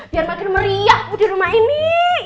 biar makin meriahku di rumah ini